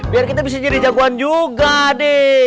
biar kita bisa jadi jagoan juga deh